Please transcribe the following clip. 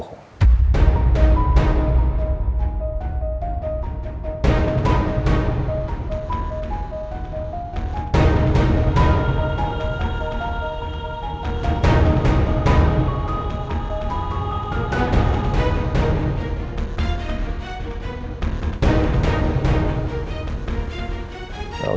atau masih aja bohong